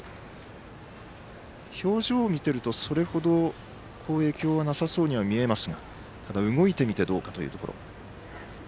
表情を見ていると、それほど影響はなさそうには見えますが動いてみて、どうかというところ。